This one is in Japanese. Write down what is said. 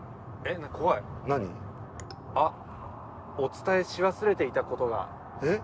「あっお伝えし忘れていたことが」えっ？